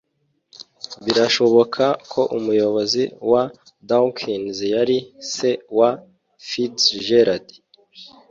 Birashoboka ko umuyobozi wa Dawkins yari se wa Fitzgerald!